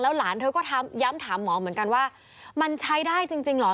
หลานเธอก็ย้ำถามหมอเหมือนกันว่ามันใช้ได้จริงเหรอ